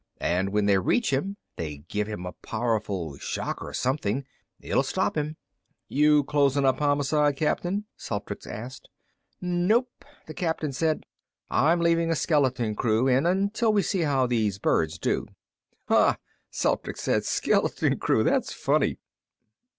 And when they reach him, they give him a powerful shock or something. It'll stop him." "You closing up Homicide, Captain?" Celtrics asked. "Nope," the captain said. "I'm leaving a skeleton crew in until we see how these birds do." "Hah," Celtrics said. "Skeleton crew. That's funny."